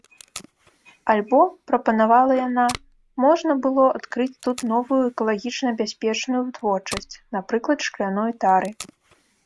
Альбо, прапанавала яна, можна было адкрыць тут новую экалагічна бяспечную вытворчасць, напрыклад, шкляной тары.